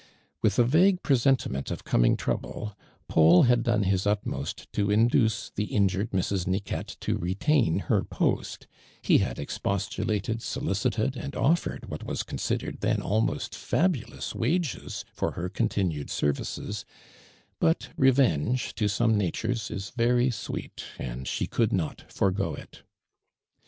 With a vague presentiment of coming tiou blo, Paul had done his utmost to induce the injured Mrs. Niquette to retain her post, lie had expostulated, solicited, and ottere(l what was considered then almost fabulous wages for her continued services, i)ut re venge to some natures is very sweet, and she could not forego it.